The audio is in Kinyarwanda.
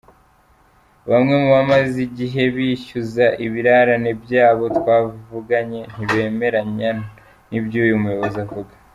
Bamwe mu bamaze igihe bishyuza ibirarane byabo twavuganye ntibemeranya n’iby’uyu muyobozi avuga.